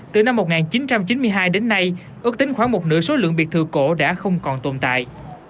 từ năm một nghìn chín trăm chín mươi hai đến nay ước tính khoảng một nửa số lượng biệt thự cổ đã không còn tồn tại